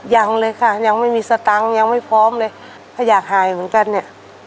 ยังเลยค่ะยังไม่มีสตังค์ยังไม่พร้อมเลยถ้าอยากหายเหมือนกันเนี่ย